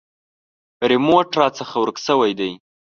ریموټ راڅخه ورک شوی دی .